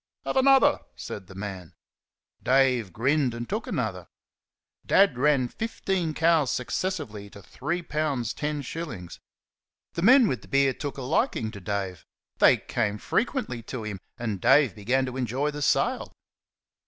"Have another!" said the man. Dave grinned, and took another. Dad ran fifteen cows, successively, to three pounds ten shillings. The men with the beer took a liking to Dave. They came frequently to him, and Dave began to enjoy the sale.